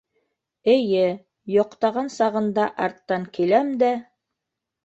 Эйе, йоҡтаған сағында арттан киләм дә!